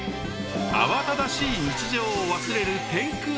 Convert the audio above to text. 慌ただしい日常を忘れる天空の聖地へ！